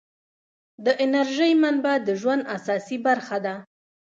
د انرژۍ منابع د ژوند اساسي برخه ده.